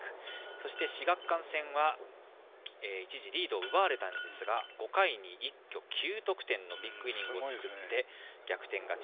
そして、志学館戦は一時リードを奪われたんですが５回に一挙９得点のビッグイニングを作って逆転勝ち。